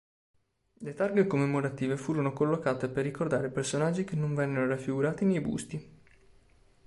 Le targhe commemorative furono collocate per ricordare personaggi che non vennero raffigurati nei busti.